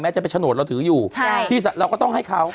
แม้จะเป็นโฉนดเราถืออยู่เราก็ต้องให้เขาใช่